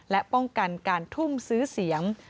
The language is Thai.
และป้องกันการทุ่มซื้อเสียง